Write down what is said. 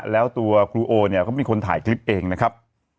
แล้วตัวครูโอเนี่ยเขาเป็นคนถ่ายคลิปเองนะครับ